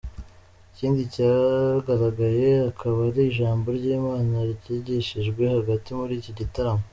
Ikindi cyagaragaye akaba ari ijambo ry’Imana ryigishijwe hagati muri iki gitaramo.